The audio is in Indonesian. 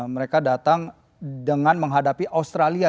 mereka datang dengan menghadapi australia